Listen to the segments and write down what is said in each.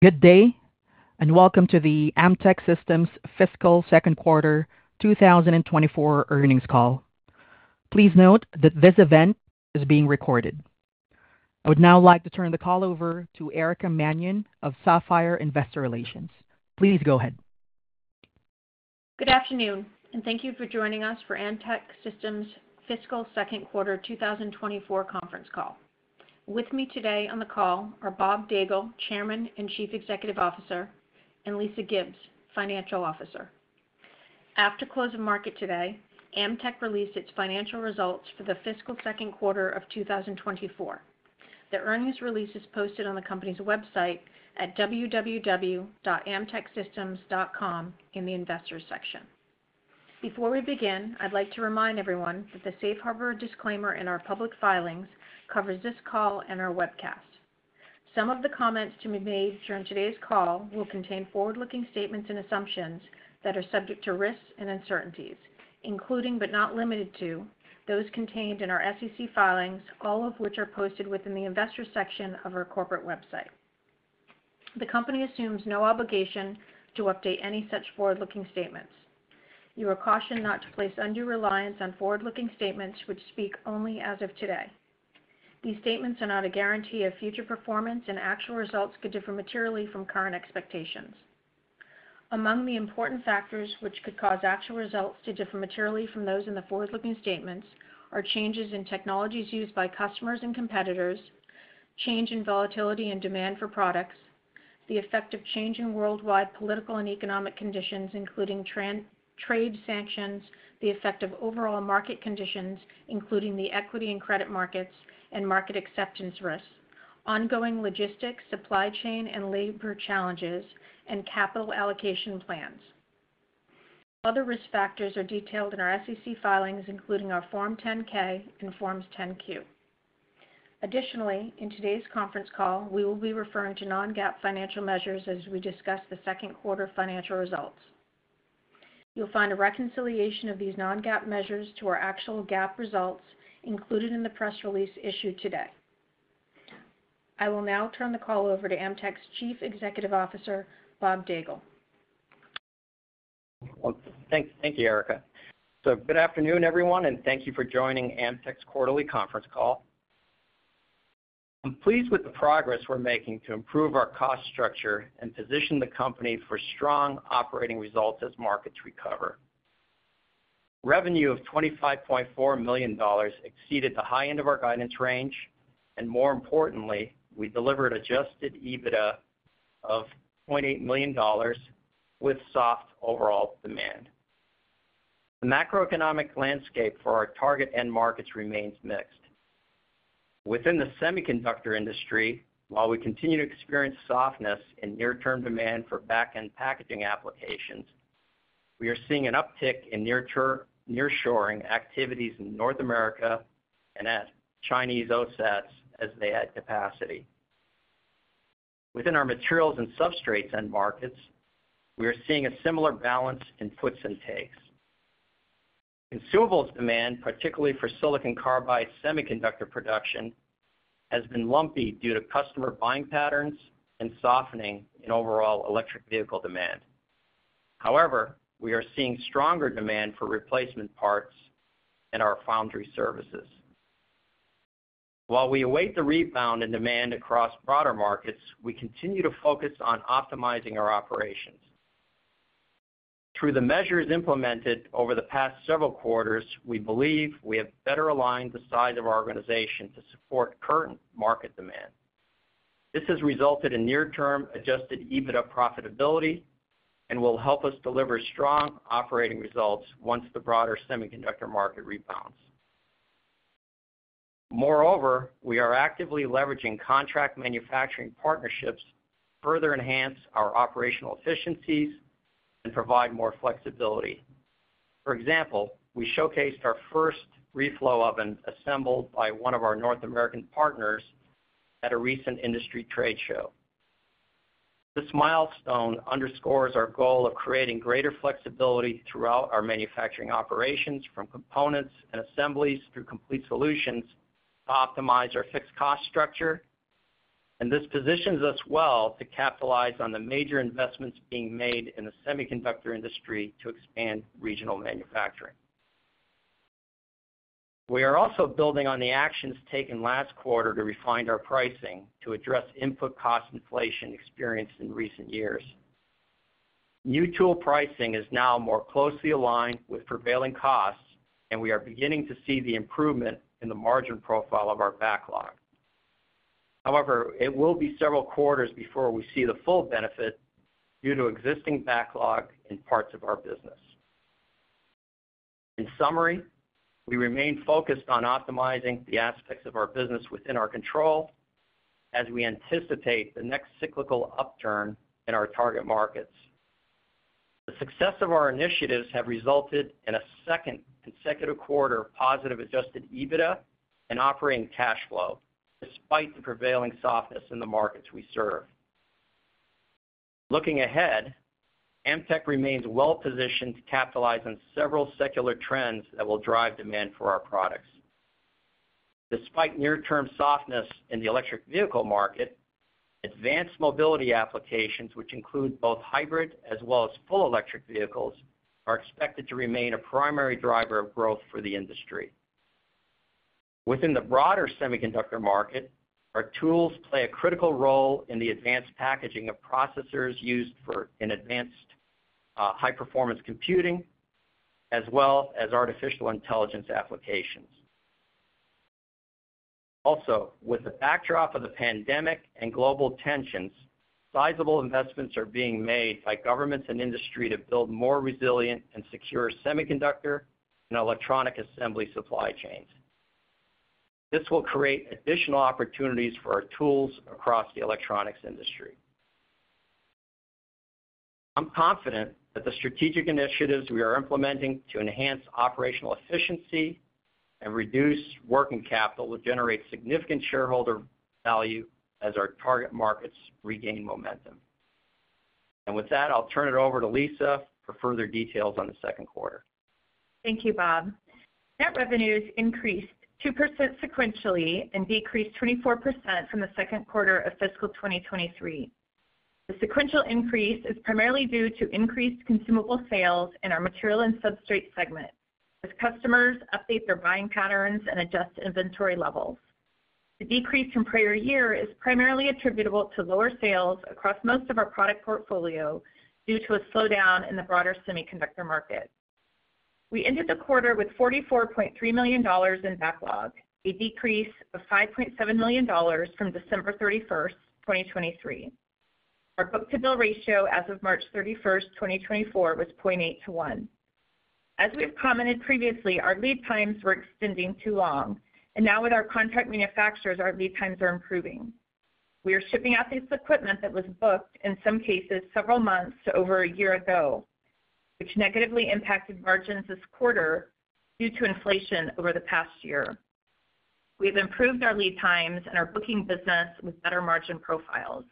Good day and welcome to the Amtech Systems Fiscal second quarter 2024 earnings call. Please note that this event is being recorded. I would now like to turn the call over to Erica Mannion of Sapphire Investor Relations. Please go ahead. Good afternoon and thank you for joining us for Amtech Systems Fiscal second quarter 2024 conference call. With me today on the call are Bob Daigle, Chairman and Chief Executive Officer, and Lisa Gibbs, Chief Financial Officer. After close of market today, Amtech released its financial results for the fiscal second quarter of 2024. The earnings release is posted on the company's website at www.amtechsystems.com in the investors section. Before we begin, I'd like to remind everyone that the safe harbor disclaimer in our public filings covers this call and our webcast. Some of the comments to be made during today's call will contain forward-looking statements and assumptions that are subject to risks and uncertainties, including but not limited to those contained in our SEC filings, all of which are posted within the investors section of our corporate website. The company assumes no obligation to update any such forward-looking statements. You are cautioned not to place undue reliance on forward-looking statements which speak only as of today. These statements are not a guarantee of future performance and actual results could differ materially from current expectations. Among the important factors which could cause actual results to differ materially from those in the forward-looking statements are changes in technologies used by customers and competitors, change in volatility and demand for products, the effect of changing worldwide political and economic conditions including trade sanctions, the effect of overall market conditions including the equity and credit markets and market acceptance risks, ongoing logistics, supply chain and labor challenges, and capital allocation plans. Other risk factors are detailed in our SEC filings including our Form 10-K and Forms 10-Q. Additionally, in today's conference call, we will be referring to non-GAAP financial measures as we discuss the second quarter financial results. You'll find a reconciliation of these non-GAAP measures to our actual GAAP results included in the press release issued today. I will now turn the call over to Amtech's Chief Executive Officer, Bob Daigle. Well, thanks. Thank you, Erica. Good afternoon, everyone, and thank you for joining Amtech's quarterly conference call. I'm pleased with the progress we're making to improve our cost structure and position the company for strong operating results as markets recover. Revenue of $25.4 million exceeded the high end of our guidance range, and more importantly, we delivered adjusted EBITDA of $0.8 million with soft overall demand. The macroeconomic landscape for our target end markets remains mixed. Within the semiconductor industry, while we continue to experience softness in near-term demand for back-end packaging applications, we are seeing an uptick in near-shoring activities in North America and at Chinese OSATs as they add capacity. Within our materials and substrates end markets, we are seeing a similar balance in puts and takes. Consumables demand, particularly for silicon carbide semiconductor production, has been lumpy due to customer buying patterns and softening in overall electric vehicle demand. However, we are seeing stronger demand for replacement parts and our foundry services. While we await the rebound in demand across broader markets, we continue to focus on optimizing our operations. Through the measures implemented over the past several quarters, we believe we have better aligned the size of our organization to support current market demand. This has resulted in near-term adjusted EBITDA profitability and will help us deliver strong operating results once the broader semiconductor market rebounds. Moreover, we are actively leveraging contract manufacturing partnerships to further enhance our operational efficiencies and provide more flexibility. For example, we showcased our first reflow oven assembled by one of our North American partners at a recent industry trade show. This milestone underscores our goal of creating greater flexibility throughout our manufacturing operations, from components and assemblies through complete solutions, to optimize our fixed cost structure. This positions us well to capitalize on the major investments being made in the semiconductor industry to expand regional manufacturing. We are also building on the actions taken last quarter to refine our pricing to address input cost inflation experienced in recent years. New tool pricing is now more closely aligned with prevailing costs, and we are beginning to see the improvement in the margin profile of our backlog. However, it will be several quarters before we see the full benefit due to existing backlog in parts of our business. In summary, we remain focused on optimizing the aspects of our business within our control as we anticipate the next cyclical upturn in our target markets. The success of our initiatives has resulted in a second consecutive quarter positive adjusted EBITDA and operating cash flow despite the prevailing softness in the markets we serve. Looking ahead, Amtech remains well-positioned to capitalize on several secular trends that will drive demand for our products. Despite near-term softness in the electric vehicle market, advanced mobility applications, which include both hybrid as well as full electric vehicles, are expected to remain a primary driver of growth for the industry. Within the broader semiconductor market, our tools play a critical role in the advanced packaging of processors used in advanced, high-performance computing as well as artificial intelligence applications. Also, with the backdrop of the pandemic and global tensions, sizable investments are being made by governments and industry to build more resilient and secure semiconductor and electronic assembly supply chains. This will create additional opportunities for our tools across the electronics industry. I'm confident that the strategic initiatives we are implementing to enhance operational efficiency and reduce working capital will generate significant shareholder value as our target markets regain momentum. With that, I'll turn it over to Lisa for further details on the second quarter. Thank you, Bob. Net revenues increased 2% sequentially and decreased 24% from the second quarter of fiscal 2023. The sequential increase is primarily due to increased consumable sales in our material and substrate segment as customers update their buying patterns and adjust inventory levels. The decrease from prior year is primarily attributable to lower sales across most of our product portfolio due to a slowdown in the broader semiconductor market. We ended the quarter with $44.3 million in backlog, a decrease of $5.7 million from December 31st, 2023. Our book-to-bill ratio as of March 31st, 2024, was 0.8 to one. As we have commented previously, our lead times were extending too long, and now with our contract manufacturers, our lead times are improving. We are shipping out this equipment that was booked, in some cases, several months to over a year ago, which negatively impacted margins this quarter due to inflation over the past year. We have improved our lead times and our booking business with better margin profiles.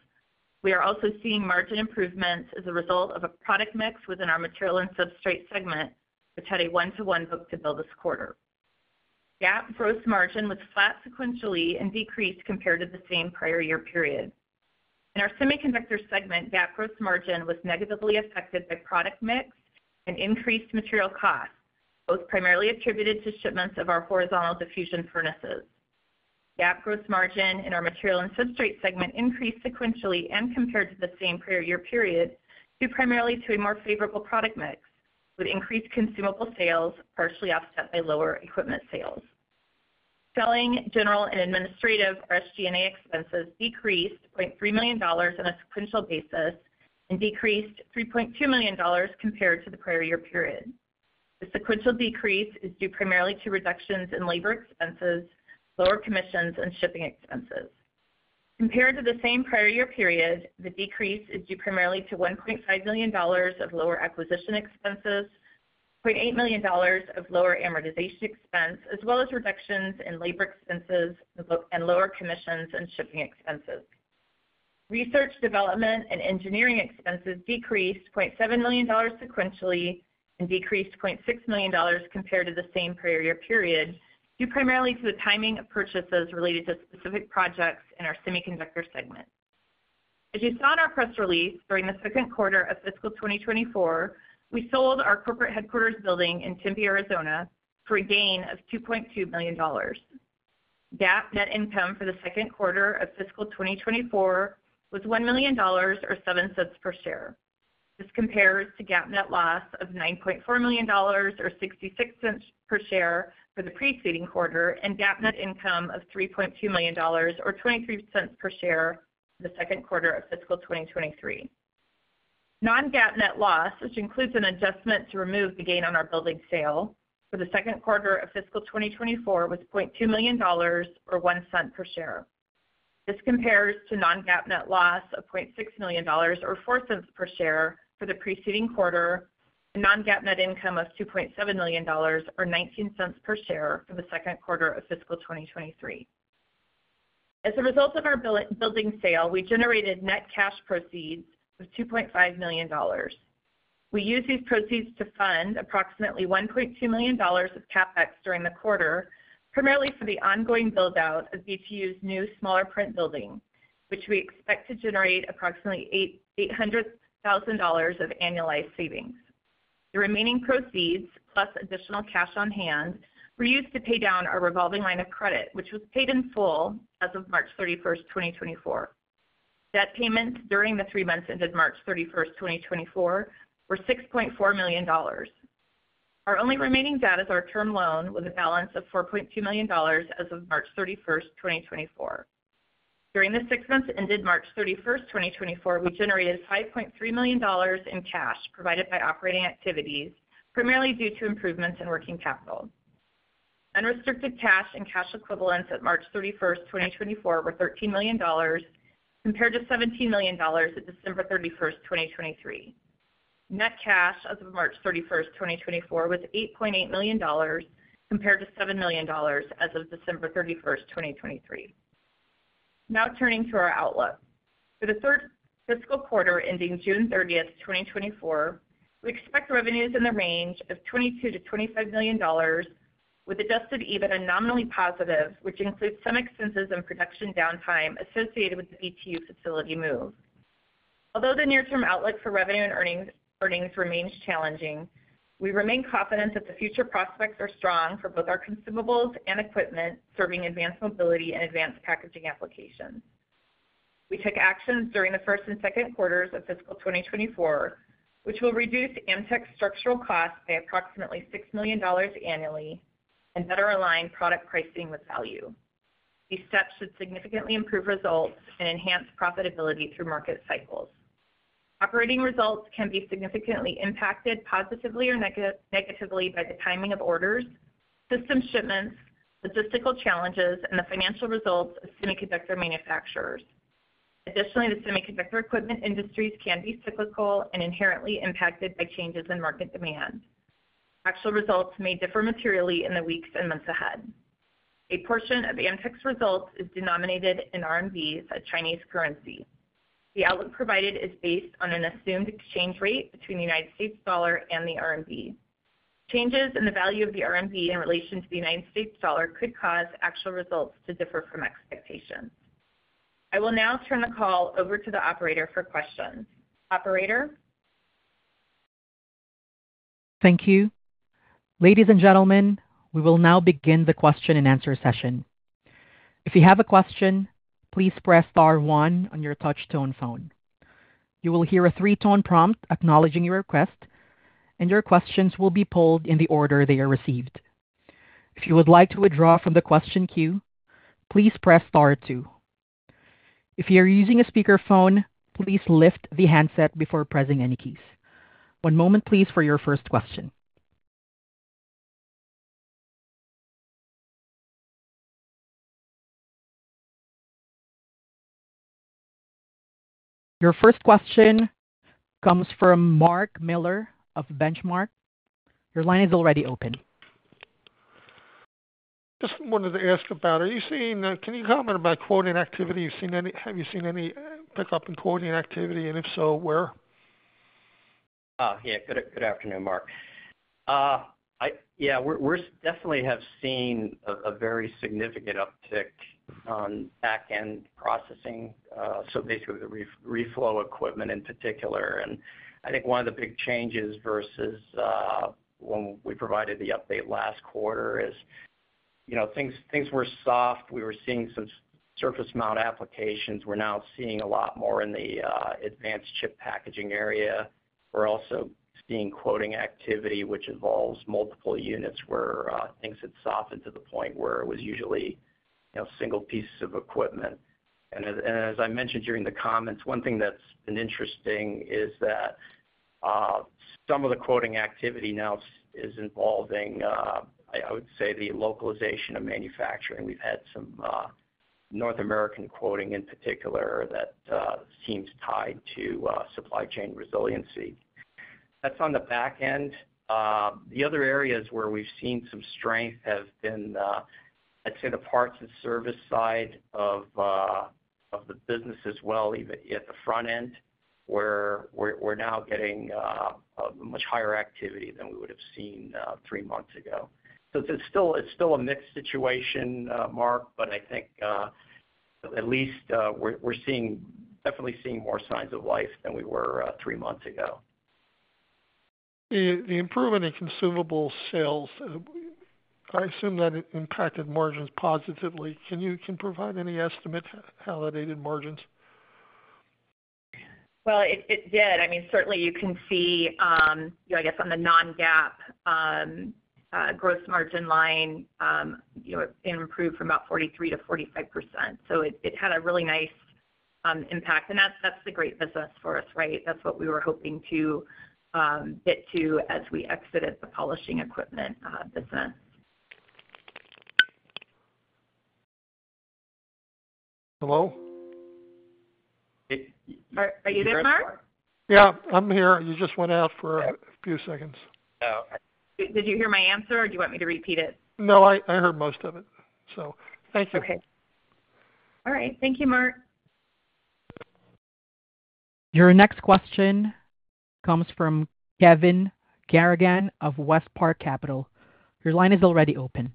We are also seeing margin improvements as a result of a product mix within our material and substrate segment, which had a one-to-one book-to-bill this quarter. GAAP gross margin was flat sequentially and decreased compared to the same prior year period. In our semiconductor segment, GAAP gross margin was negatively affected by product mix and increased material costs, both primarily attributed to shipments of our horizontal diffusion furnaces. GAAP gross margin in our material and substrate segment increased sequentially and compared to the same prior year period due primarily to a more favorable product mix with increased consumable sales partially offset by lower equipment sales. Selling, general, and administrative or SG&A expenses decreased $0.3 million on a sequential basis and decreased $3.2 million compared to the prior year period. The sequential decrease is due primarily to reductions in labor expenses, lower commissions, and shipping expenses. Compared to the same prior year period, the decrease is due primarily to $1.5 million of lower acquisition expenses, $0.8 million of lower amortization expense, as well as reductions in labor expenses and lower commissions and shipping expenses. Research, development, and engineering expenses decreased $0.7 million sequentially and decreased $0.6 million compared to the same prior year period due primarily to the timing of purchases related to specific projects in our semiconductor segment. As you saw in our press release during the second quarter of fiscal 2024, we sold our corporate headquarters building in Tempe, Arizona, for a gain of $2.2 million. GAAP net income for the 2nd quarter of fiscal 2024 was $1 million or $0.07 per share. This compares to GAAP net loss of $9.4 million or $0.66 per share for the preceding quarter and GAAP net income of $3.2 million or $0.23 per share for the second quarter of fiscal 2023. Non-GAAP net loss, which includes an adjustment to remove the gain on our building sale, for the second quarter of fiscal 2024 was $0.2 million or $0.01 per share. This compares to Non-GAAP net loss of $0.6 million or $0.04 per share for the preceding quarter and Non-GAAP net income of $2.7 million or $0.19 per share for the second quarter of fiscal 2023. As a result of our selling building, we generated net cash proceeds of $2.5 million. We used these proceeds to fund approximately $1.2 million of CapEx during the quarter, primarily for the ongoing build-out of BTU's new smaller footprint building, which we expect to generate approximately $800,000 of annualized savings. The remaining proceeds, plus additional cash on hand, were used to pay down our revolving line of credit, which was paid in full as of March 31st, 2024. Debt payments during the three months ended March 31st, 2024, were $6.4 million. Our only remaining debt is our term loan with a balance of $4.2 million as of March 31st, 2024. During the six months ended March 31st, 2024, we generated $5.3 million in cash provided by operating activities, primarily due to improvements in working capital. Unrestricted cash and cash equivalents at March 31st, 2024, were $13 million compared to $17 million at December 31st, 2023. Net cash as of March 31st, 2024, was $8.8 million compared to $7 million as of December 31st, 2023. Now turning to our outlook. For the third fiscal quarter ending June 30th, 2024, we expect revenues in the range of $22-$25 million, with adjusted EBITDA nominally positive, which includes some expenses and production downtime associated with the BTU facility move. Although the near-term outlook for revenue and earnings remains challenging, we remain confident that the future prospects are strong for both our consumables and equipment serving advanced mobility and advanced packaging applications. We took actions during the first and second quarters of fiscal 2024, which will reduce Amtech's structural costs by approximately $6 million annually and better align product pricing with value. These steps should significantly improve results and enhance profitability through market cycles. Operating results can be significantly impacted positively or negatively by the timing of orders, system shipments, logistical challenges, and the financial results of semiconductor manufacturers. Additionally, the semiconductor equipment industries can be cyclical and inherently impacted by changes in market demand. Actual results may differ materially in the weeks and months ahead. A portion of Amtech's results is denominated in RMBs, a Chinese currency. The outlook provided is based on an assumed exchange rate between the United States dollar and the RMB. Changes in the value of the RMB in relation to the United States dollar could cause actual results to differ from expectations. I will now turn the call over to the operator for questions. Operator? Thank you. Ladies and gentlemen, we will now begin the question-and-answer session. If you have a question, please press star one on your touch-tone phone. You will hear a three-tone prompt acknowledging your request, and your questions will be polled in the order they are received. If you would like to withdraw from the question queue, please press star two. If you are using a speakerphone, please lift the handset before pressing any keys. One moment, please, for your first question. Your first question comes from Mark Miller of Benchmark. Your line is already open. Just wanted to ask about quoting activity? Have you seen any pickup in quoting activity, and if so, where? Oh, yeah. Good afternoon, Mark. I yeah, we're definitely have seen a very significant uptick on backend processing, so basically the reflow equipment in particular. And I think one of the big changes versus, when we provided the update last quarter is, you know, things were soft. We were seeing some surface-mount applications. We're now seeing a lot more in the advanced chip packaging area. We're also seeing quoting activity, which involves multiple units where, things had softened to the point where it was usually, you know, single pieces of equipment. And as I mentioned during the comments, one thing that's been interesting is that, some of the quoting activity now is involving, I would say the localization of manufacturing. We've had some, North American quoting in particular that, seems tied to, supply chain resiliency. That's on the backend. The other areas where we've seen some strength have been, I'd say, the parts and service side of the business as well, even at the front end, where we're now getting much higher activity than we would have seen three months ago. So it's still a mixed situation, Mark, but I think, at least, we're definitely seeing more signs of life than we were three months ago. The improvement in consumable sales, I assume that it impacted margins positively. Can you provide any estimate how that aided margins? Well, it did. I mean, certainly you can see, you know, I guess on the Non-GAAP gross margin line, you know, it improved from about 43%-45%. So it had a really nice impact. And that's the great business for us, right? That's what we were hoping to get to as we exited the polishing equipment business. Hello? Are you there, Mark? Yeah, I'm here. You just went out for a few seconds. Did you hear my answer, or do you want me to repeat it? No, I heard most of it, so thank you. Okay. All right. Thank you, Mark. Your next question comes from Kevin Garrigan of WestPark Capital. Your line is already open.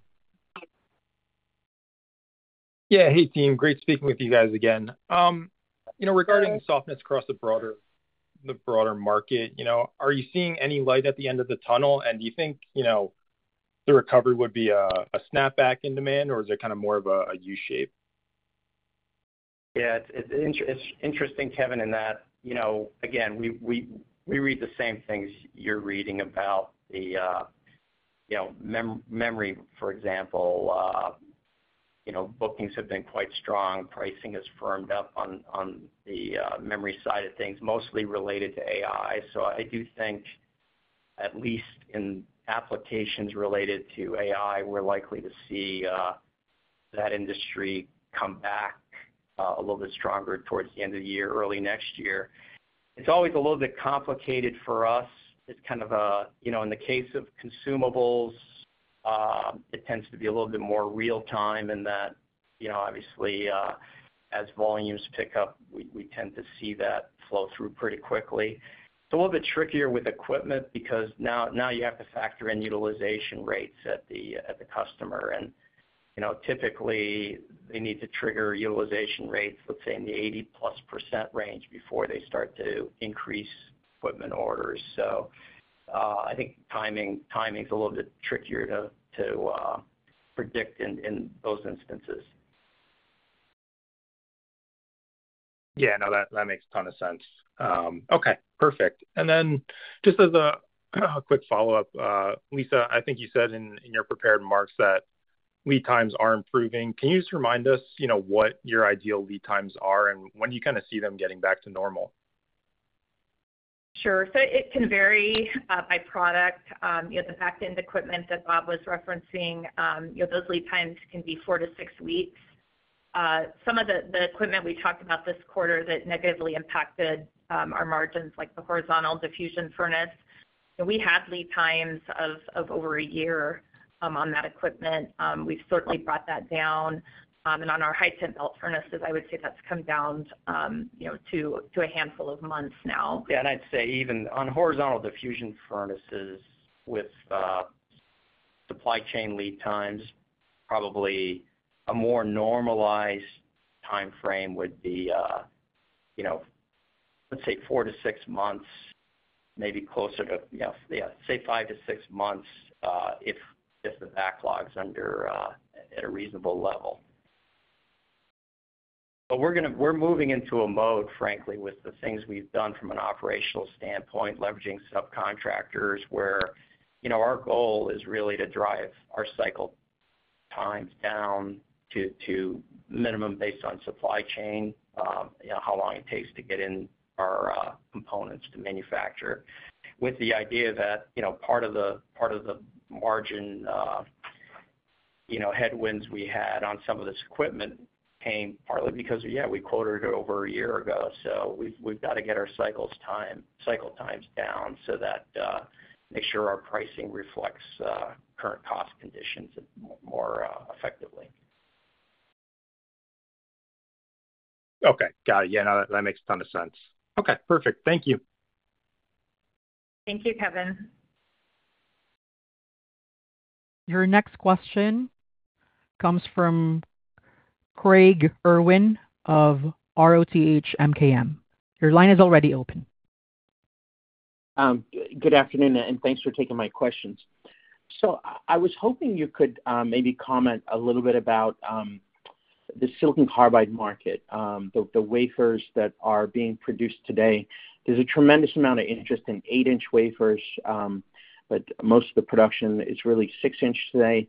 Yeah, hey, team. Great speaking with you guys again. You know, regarding softness across the broader market, you know, are you seeing any light at the end of the tunnel, and do you think, you know, the recovery would be a snapback in demand, or is it kind of more of a U-shape? Yeah, it's interesting, Kevin, in that, you know, again, we read the same things you're reading about the, you know, memory, for example. You know, bookings have been quite strong. Pricing has firmed up on the memory side of things, mostly related to AI. So I do think, at least in applications related to AI, we're likely to see that industry come back a little bit stronger towards the end of the year, early next year. It's always a little bit complicated for us. It's kind of a, you know, in the case of consumables, it tends to be a little bit more real-time in that, you know, obviously, as volumes pick up, we tend to see that flow through pretty quickly. It's a little bit trickier with equipment because now you have to factor in utilization rates at the customer. You know, typically, they need to trigger utilization rates, let's say, in the 80+% range before they start to increase equipment orders. So I think timing is a little bit trickier to predict in those instances. Yeah, no, that makes a ton of sense. Okay, perfect. And then just as a quick follow-up, Lisa, I think you said in your prepared remarks that lead times are improving. Can you just remind us what your ideal lead times are and when you kind of see them getting back to normal? Sure. So it can vary by product. You know, the backend equipment that Bob was referencing, you know, those lead times can be 4-6 weeks. Some of the equipment we talked about this quarter that negatively impacted our margins, like the horizontal diffusion furnace, we had lead times of over a year on that equipment. We've certainly brought that down. And on our high-temp belt furnaces, I would say that's come down to a handful of months now. Yeah, and I'd say even on horizontal diffusion furnaces with supply chain lead times, probably a more normalized timeframe would be, you know, let's say four to six months, maybe closer to, yeah, say five to six months if the backlog's under at a reasonable level. But we're moving into a mode, frankly, with the things we've done from an operational standpoint, leveraging subcontractors, where, you know, our goal is really to drive our cycle times down to minimum based on supply chain, you know, how long it takes to get in our components to manufacture, with the idea that, you know, part of the margin, you know, headwinds we had on some of this equipment came partly because, yeah, we quoted it over a year ago. So we've got to get our cycle times down so that make sure our pricing reflects current cost conditions more effectively. Okay, got it. Yeah, no, that makes a ton of sense. Okay, perfect. Thank you. Thank you, Kevin. Your next question comes from Craig Irwin of ROTH MKM. Your line is already open. Good afternoon, and thanks for taking my questions. So I was hoping you could maybe comment a little bit about the silicon carbide market, the wafers that are being produced today. There's a tremendous amount of interest in eight-inch wafers, but most of the production is really six inch today.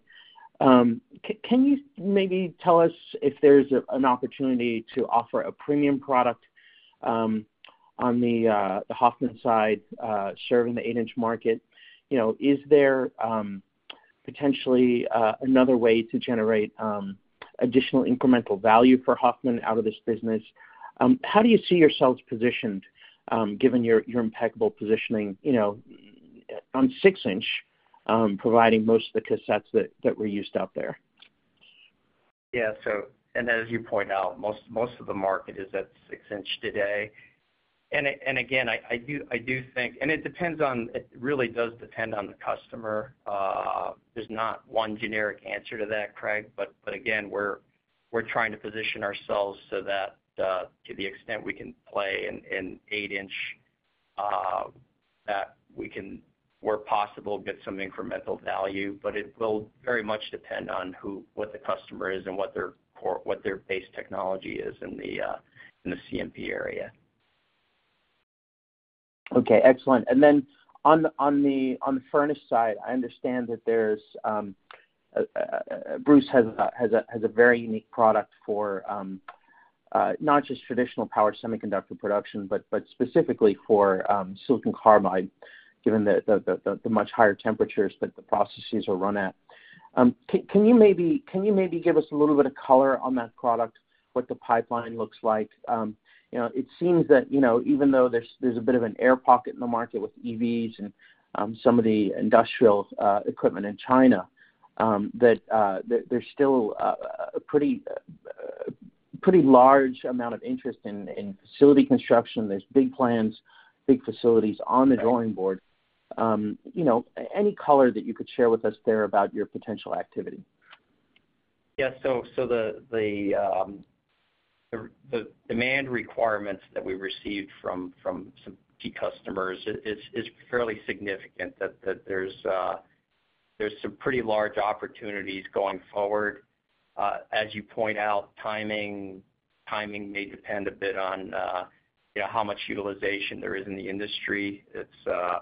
Can you maybe tell us if there's an opportunity to offer a premium product on the Hoffman side serving the eight inch market? You know, is there potentially another way to generate additional incremental value for Hoffman out of this business? How do you see yourselves positioned, given your impeccable positioning on six inch, providing most of the cassettes that were used out there? Yeah, so as you point out, most of the market is at six inch today. Again, I do think it depends on it. Really, it does depend on the customer. There's not one generic answer to that, Craig. But again, we're trying to position ourselves so that, to the extent we can play in eight inch, that we can, where possible, get some incremental value. But it will very much depend on what the customer is and what their base technology is in the CMP area. Okay, excellent. And then on the furnace side, I understand that there's Bruce has a very unique product for not just traditional power semiconductor production, but specifically for silicon carbide, given the much higher temperatures that the processes are run at. Can you maybe give us a little bit of color on that product, what the pipeline looks like? You know, it seems that even though there's a bit of an air pocket in the market with EVs and some of the industrial equipment in China, that there's still a pretty large amount of interest in facility construction. There's big plans, big facilities on the drawing board. You know, any color that you could share with us there about your potential activity? Yeah, so the demand requirements that we received from some key customers is fairly significant, that there's some pretty large opportunities going forward. As you point out, timing may depend a bit on how much utilization there is in the industry. It's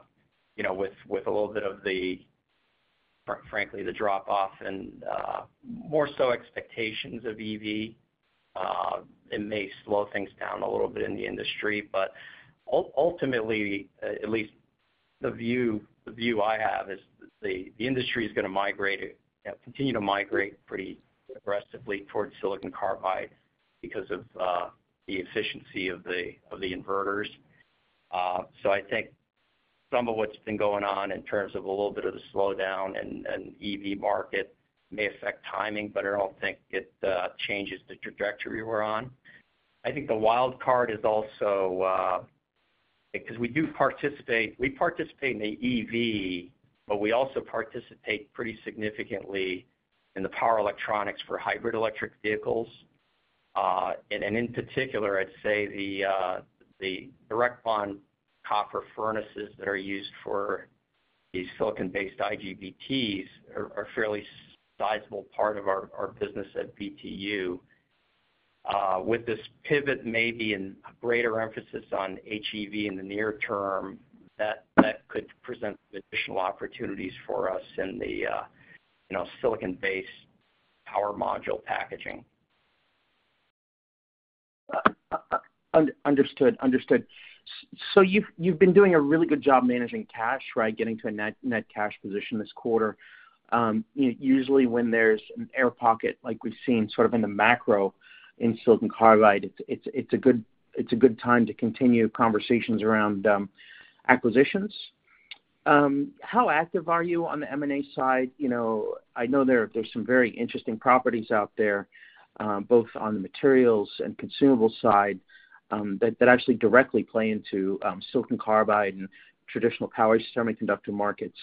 with a little bit of, frankly, the drop-off and more so expectations of EV. It may slow things down a little bit in the industry. But ultimately, at least the view I have is the industry is going to migrate, continue to migrate pretty aggressively towards silicon carbide because of the efficiency of the inverters. So I think some of what's been going on in terms of a little bit of the slowdown in the EV market may affect timing, but I don't think it changes the trajectory we're on. I think the wild card is also because we do participate we participate in the EV, but we also participate pretty significantly in the power electronics for hybrid electric vehicles. And in particular, I'd say the Direct Bond Copper furnaces that are used for these silicon-based IGBTs are a fairly sizable part of our business at BTU. With this pivot, maybe a greater emphasis on HEV in the near term, that could present some additional opportunities for us in the silicon-based power module packaging. Understood. So you've been doing a really good job managing cash, right, getting to a net cash position this quarter. Usually, when there's an air pocket, like we've seen sort of in the macro in silicon carbide, it's a good time to continue conversations around acquisitions. How active are you on the M&A side? You know, I know there's some very interesting properties out there, both on the materials and consumable side, that actually directly play into silicon carbide and traditional power semiconductor markets.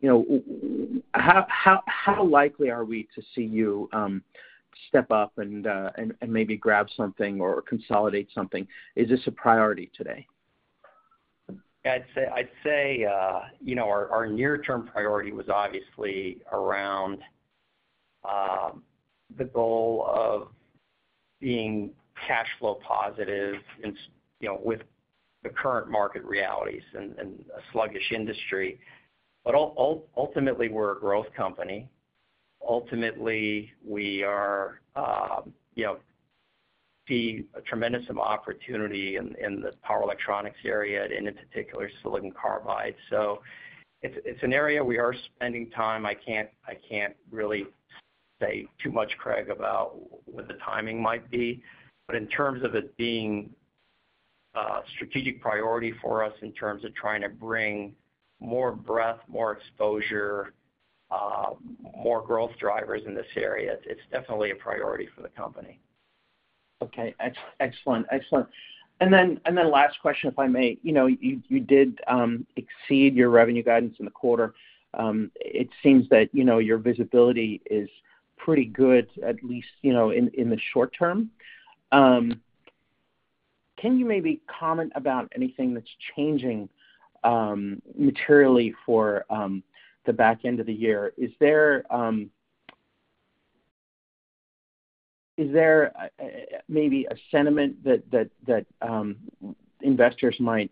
You know, how likely are we to see you step up and maybe grab something or consolidate something? Is this a priority today? Yeah, I'd say our near-term priority was obviously around the goal of being cash flow positive with the current market realities and a sluggish industry. But ultimately, we're a growth company. Ultimately, we see a tremendous amount of opportunity in the power electronics area and in particular, silicon carbide. So it's an area we are spending time. I can't really say too much, Craig, about what the timing might be. But in terms of it being a strategic priority for us in terms of trying to bring more breadth, more exposure, more growth drivers in this area, it's definitely a priority for the company. Okay, excellent. And then last question, if I may. You did exceed your revenue guidance in the quarter. It seems that your visibility is pretty good, at least in the short term. Can you maybe comment about anything that's changing materially for the back end of the year? Is there maybe a sentiment that investors might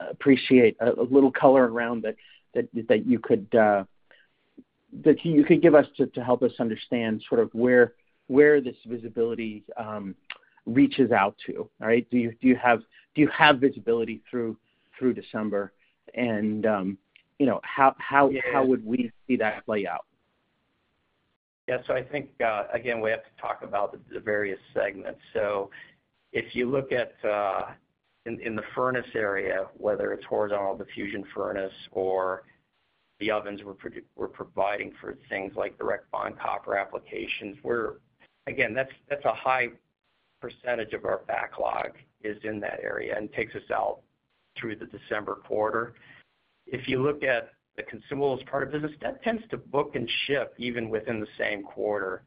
appreciate, a little color around that you could give us to help us understand sort of where this visibility reaches out to, right? Do you have visibility through December? And how would we see that play out? Yeah, so I think, again, we have to talk about the various segments. So if you look at in the furnace area, whether it's horizontal diffusion furnace or the ovens we're providing for things like direct-on-copper applications, again, that's a high percentage of our backlog is in that area and takes us out through the December quarter. If you look at the consumables part of business, that tends to book and ship even within the same quarter,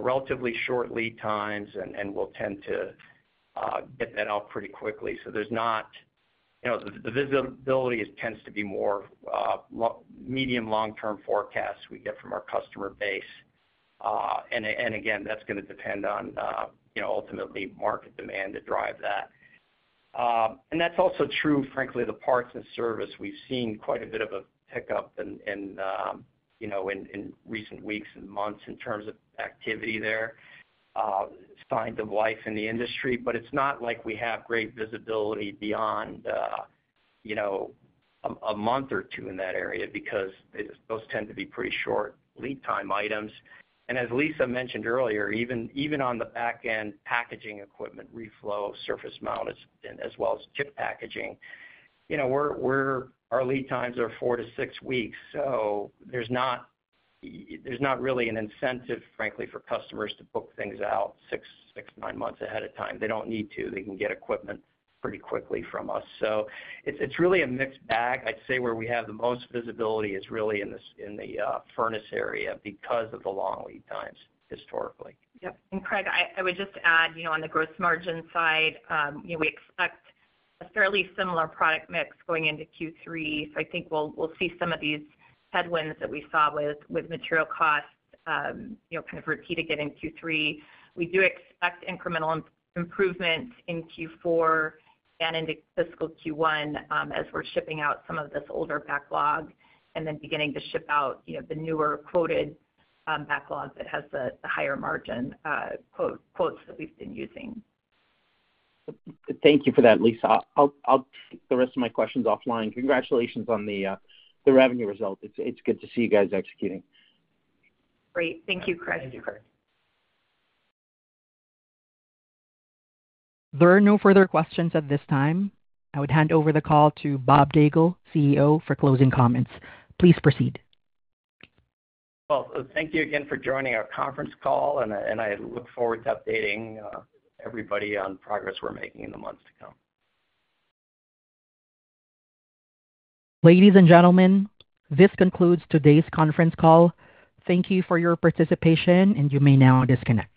relatively short lead times, and we'll tend to get that out pretty quickly. So there's not the visibility tends to be more medium-long-term forecasts we get from our customer base. And again, that's going to depend on, ultimately, market demand to drive that. And that's also true, frankly, of the parts and service. We've seen quite a bit of a pickup in recent weeks and months in terms of activity there, signs of life in the industry. But it's not like we have great visibility beyond a month or two in that area because those tend to be pretty short lead-time items. And as Lisa mentioned earlier, even on the backend packaging equipment, reflow, surface mount, as well as chip packaging, our lead times are four to six weeks. So there's not really an incentive, frankly, for customers to book things out six, nine months ahead of time. They don't need to. They can get equipment pretty quickly from us. So it's really a mixed bag. I'd say where we have the most visibility is really in the furnace area because of the long lead times, historically. Yep. And Craig, I would just add, on the gross margin side, we expect a fairly similar product mix going into Q3. So I think we'll see some of these headwinds that we saw with material costs kind of repeated again in Q3. We do expect incremental improvements in Q4 and into fiscal Q1 as we're shipping out some of this older backlog and then beginning to ship out the newer quoted backlog that has the higher margin quotes that we've been using. Thank you for that, Lisa. I'll take the rest of my questions offline. Congratulations on the revenue result. It's good to see you guys executing. Great. Thank you, Craig. Thank you, Craig. There are no further questions at this time. I would hand over the call to Bob Daigle, CEO, for closing comments. Please proceed. Well, thank you again for joining our conference call, and I look forward to updating everybody on progress we're making in the months to come. Ladies and gentlemen, this concludes today's conference call. Thank you for your participation, and you may now disconnect.